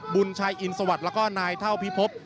บุญชัยอินทร์สวัสดิ์และนายเท่าผิดพบ